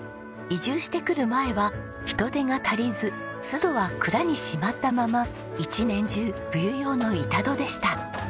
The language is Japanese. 移住してくる前は人手が足りず簀戸は蔵にしまったまま一年中冬用の板戸でした。